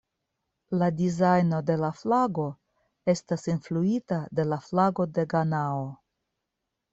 La dizajno de la flago estas influita de la flago de Ganao.